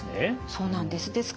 そうなんです。